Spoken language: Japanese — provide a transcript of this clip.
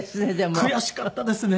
悔しかったですね。